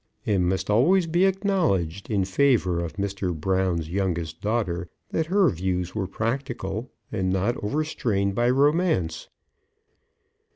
It must always be acknowledged, in favour of Mr. Brown's youngest daughter, that her views were practical, and not over strained by romance.